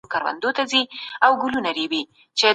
وطن د سخاوت او ميلمه پالنې کور دی.